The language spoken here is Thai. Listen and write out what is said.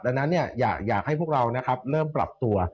ดังนั้นเนี่ยอยากให้พวกเรานนะครับเริ่มปรับตัว